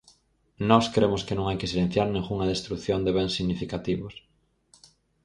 Nós cremos que non hai que silenciar ningunha destrución de bens significativos.